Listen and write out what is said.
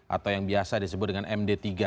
atau yang biasa disebut dengan md tiga